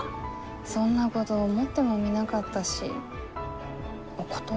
そんなごど思ってもみなかったしお断りしようかと。